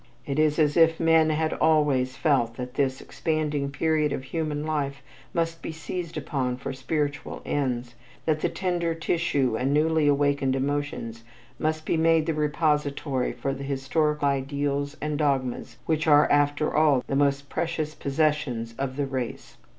It is as if men had always felt that this expanding period of human life must be seized upon for spiritual ends, that the tender tissue and newly awakened emotions must be made the repository for the historic ideals and dogmas which are, after all, the most precious possessions of the race.